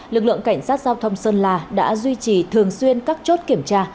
lực lượng cảnh sát giao thông sơn la đã duy trì thường xuyên các chốt kiểm tra